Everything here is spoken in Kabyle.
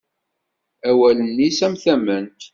Awalen-is am tament.